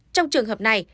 trong trường hợp này